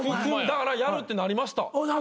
だからやるってなりました。